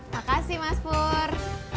makasih mas pur